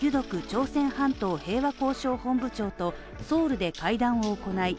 朝鮮半島平和交渉本部長とソウルで会談を行い